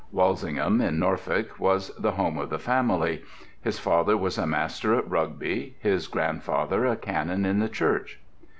Walsingham, in Norfolk, was the home of the family. His father was a master at Rugby; his grandfather a canon in the church.